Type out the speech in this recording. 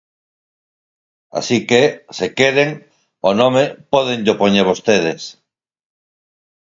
Así que, se queren, o nome pódenllo poñer vostedes.